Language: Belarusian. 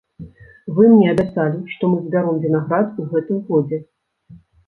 Вы мне абяцалі, што мы збяром вінаград у гэтым годзе.